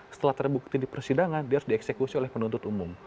setelah terbukti di persidangan dia harus dieksekusi oleh penuntut umum